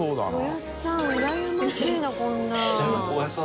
おやっさんうらやましいなこんなん。